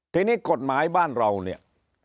ทีนี้กฎหมายบ้านเราเนี่ย